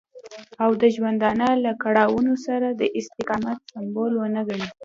او د ژوندانه له کړاوونو سره د استقامت سمبول ونه ګڼي.